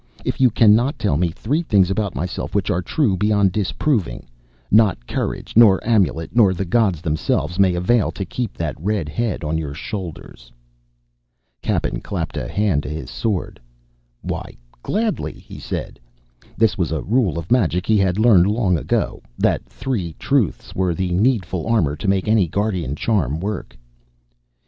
"If you cannot tell me three things about myself which are true beyond disproving, not courage nor amulet nor the gods themselves may avail to keep that red head on your shoulders." Cappen clapped a hand to his sword. "Why, gladly," he said; this was a rule of magic he had learned long ago, that three truths were the needful armor to make any guardian charm work.